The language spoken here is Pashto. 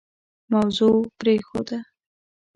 موضوع پرېښوده.